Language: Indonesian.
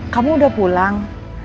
kamu mau berubah